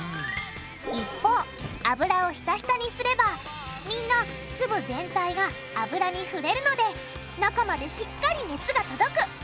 一方油をひたひたにすればみんな粒全体が油に触れるので中までしっかり熱が届く。